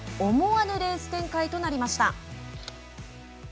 思わぬレース展開となりました。